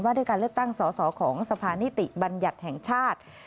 ด้วยการเลือกตั้งสอสอของสภานิติบัญญัติแห่งชาติ